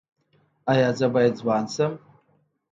ایا زه باید ځوان شم؟